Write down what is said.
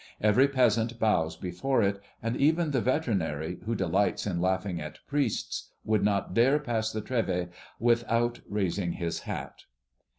Every peasant bows before it, and even the veterinary, who delights in laughing at priests, would not dare pass the Trèves without raising his hat.